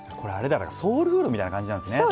ソウルフードみたいな感じなんですね。